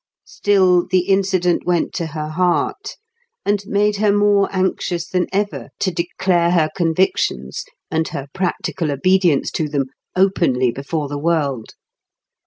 Still, the incident went to her heart, and made her more anxious than ever to declare her convictions and her practical obedience to them openly before the world.